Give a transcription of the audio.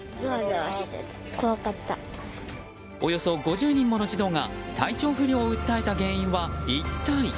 およそ５０人もの児童が体調不良を訴えた原因は一体？